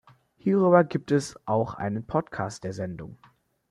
Hierüber gibt es auch einen Podcast der Sendung.